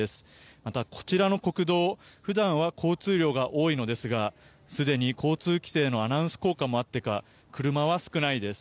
また、こちらの国道普段は交通量が多いのですがすでに交通規制のアナウンス効果もあってか車は少ないです。